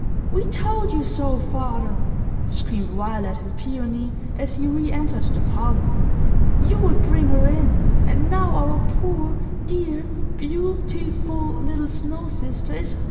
"We told you so, father!" screamed Violet and Peony, as he re entered the parlor. "You would bring her in; and now our poor—dear beau ti ful little snow sister is thawed!"